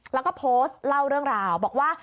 แล้วก็โพสต์เล่าเรื่องราวบอกว่า